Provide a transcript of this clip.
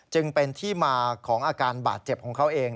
จึงเป็นที่มาของอาการบาดเจ็บของเขาเอง